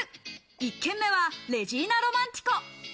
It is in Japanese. １軒目はレジィーナロマンティコ。